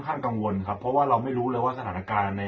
ท่านกังวลครับเพราะว่าเราไม่รู้เลยว่าสถานการณ์ใน